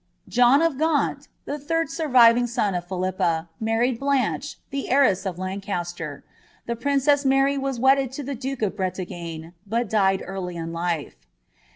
John of Gaunt, (he third enrvivjng son of Phflippa, mamed Rlaneba, the heiress of Lancaster ; the princess Mary was wedded lo the dtke rf Rreiagne, but died early in life.